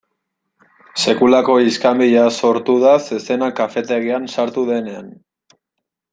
Sekulako iskanbila sortu da zezena kafetegian sartu denean.